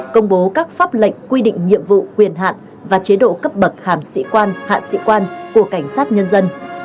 công bố các pháp lệnh quy định nhiệm vụ quyền hạn và chế độ cấp bậc hàm sĩ quan hạ sĩ quan của cảnh sát nhân dân